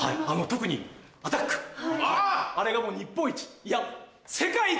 特にアタックあれがもう日本一いや世界一だといっても。